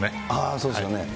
そうですよね。